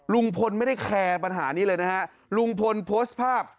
ลุงพลไม่ได้แคร์ปัญหานี้เลยนะฮะลุงพลโพสต์ภาพ